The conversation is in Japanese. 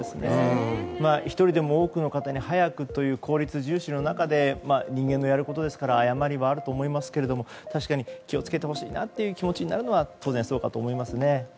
１人でも多くの方に早くという効率重視の中で人間がやることですから誤りはあると思いますが確かに気を付けてほしいなという気持ちになるのは当然かなと思いますね。